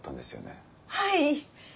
はい。